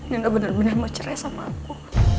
nino benar benar mau cerai sama aku